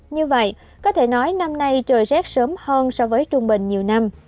như vậy có thể nói năm nay trời rét sớm hơn so với trung bình nhiều năm